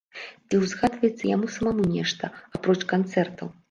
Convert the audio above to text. Ці ўзгадваецца яму самому нешта, апроч канцэртаў?